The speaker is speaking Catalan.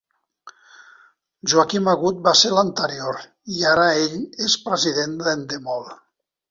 Joaquim Agut va ser l'anterior, i ara ell és president d'Endemol.